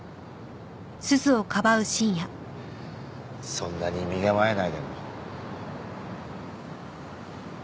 そんなに身構えないでも。